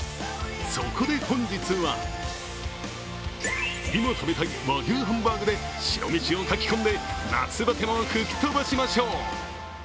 そこで本日は今食べたい和牛ハンバーグで白飯をかき込んで夏バテを吹き飛ばしましょう。